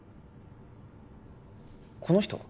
この人は？